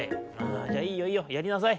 「じゃあいいよいいよやりなさい。